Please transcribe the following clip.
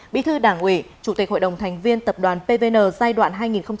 bí thư đảng ủy chủ tịch hội đồng thành viên tập đoàn pvn giai đoạn hai nghìn chín hai nghìn một mươi một